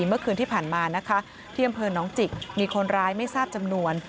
เมื่อคืนที่ผ่านมานะคะที่อำเภอน้องจิกมีคนร้ายไม่ทราบจำนวน